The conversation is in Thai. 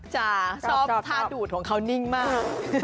ชอบพาดูดของเขานิ่งมาก